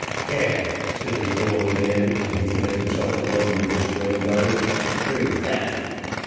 "There," said the old man, when he found himself alone with his granddaughter; "read that."